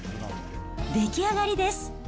出来上がりです。